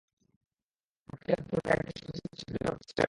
চাকাটিকে আবৃত করে থাকে একটি অতি সূক্ষ্ম ছিদ্রযুক্ত পাতলা স্টিলের পাত।